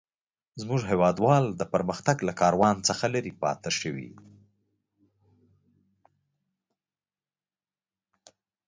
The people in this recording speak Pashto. زموږ هيوادوال د پرمختګ له کاروان څخه لري پاته شوي.